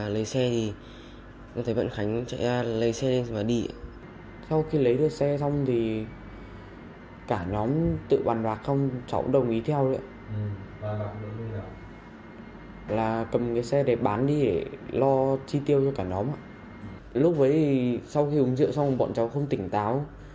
lúc đấy thì sau khi uống rượu xong bọn cháu không tỉnh táo